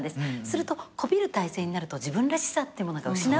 するとこびる態勢になると自分らしさっていうものが失われていくので。